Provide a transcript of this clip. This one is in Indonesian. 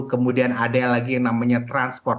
kemudian ada lagi yang namanya transport